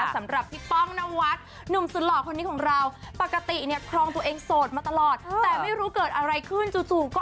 สำหรับพี่ป้องนวัดหนุ่มสุดหล่อคนนี้ของเราปกติเนี่ยครองตัวเองโสดมาตลอดแต่ไม่รู้เกิดอะไรขึ้นจู่ก็